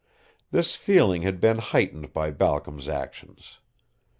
This feeling had been heightened by Balcom's actions.